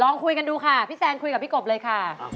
คุยกันดูค่ะพี่แซนคุยกับพี่กบเลยค่ะ